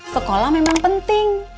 sekolah memang penting